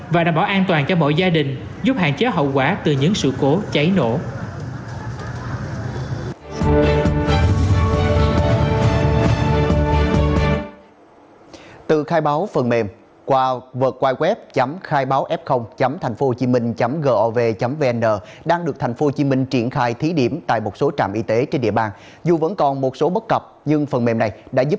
và đảm bảo an toàn cho mọi gia đình giúp hạn chế hậu quả từ những sự cố cháy nổ